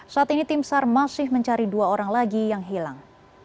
saat ini tim sar masih mencari dua orang lagi yang hilang